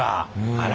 あら。